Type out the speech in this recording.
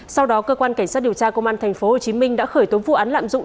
sau đó cơ quan cảnh sát điều tra công an tp hcm đã khởi tố vụ án lạm dụng